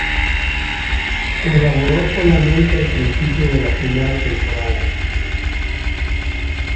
Colaboró solamente al principio de la primera temporada.